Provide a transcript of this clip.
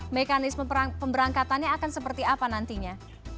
mekanisme pemberangkatannya akan seperti apa nantinya